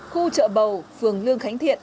khu chợ bầu phường lương khánh thiện